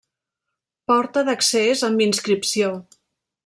Porta d'accés amb inscripció.